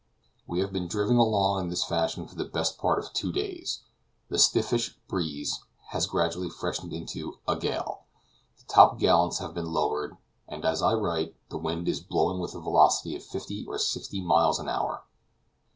We have been driven along in this fashion for the best part of two days; the "stiffish breeze" has gradually freshened into "a gale"; the topgallants have been lowered, and, as I write, the wind is blowing with a velocity of fifty or sixty miles an hour.